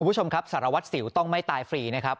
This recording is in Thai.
คุณผู้ชมครับสารวัตรสิวต้องไม่ตายฟรีนะครับ